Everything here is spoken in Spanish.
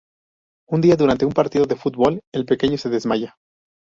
Un día, durante un partido de fútbol, el pequeño se desmaya.